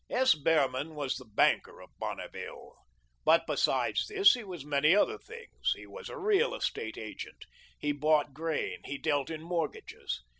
S. Behrman was the banker of Bonneville. But besides this he was many other things. He was a real estate agent. He bought grain; he dealt in mortgages.